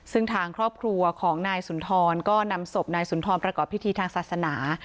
ซึ่งทางครอบครัวของนายสุนทรก็นำศพนายสุนทรประกอบพิธีทางศาสนา